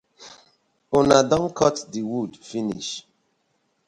Una don kot the wood finish.